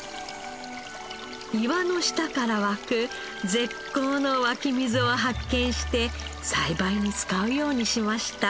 岩の下から湧く絶好の湧き水を発見して栽培に使うようにしました。